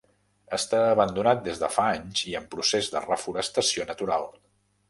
Està abandonat des de fa anys i en procés de reforestació natural.